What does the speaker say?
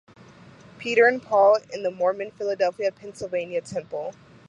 Peter and Paul, and the Mormon Philadelphia Pennsylvania Temple.